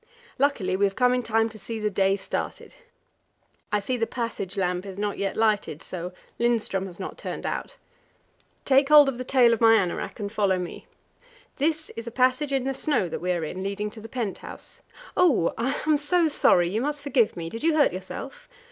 Luckily we have come in time to see the day started. I see the passage lamp is not yet lighted, so Lindström has not turned out. Take hold of the tail of my anorak and follow me. This is a passage in the snow that we are in, leading to the pent house. Oh! I'm so sorry; you must forgive me! Did you hurt yourself?